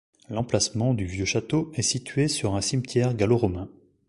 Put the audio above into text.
L'emplacement du vieux château est situé sur un cimetière gallo-romain.